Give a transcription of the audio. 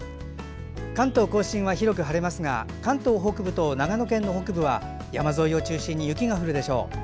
関東・甲信は広く晴れますが関東北部と長野県の北部は山沿いを中心に雪が降るでしょう。